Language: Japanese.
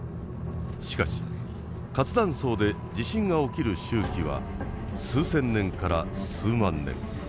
しかし活断層で地震が起きる周期は数千年から数万年。